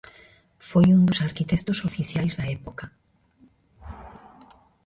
Foi un dos arquitectos oficiais da época.